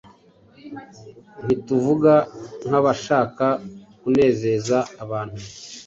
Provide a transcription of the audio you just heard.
Ntituvuga nk’abashaka kunezeza abantu,